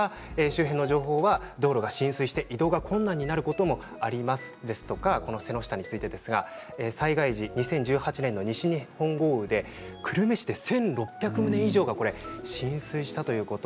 周辺の情報は道路が浸水して移動が困難になることもありますとか災害時２０１８年の西日本豪雨で久留米市で１６００棟以上が浸水したということ。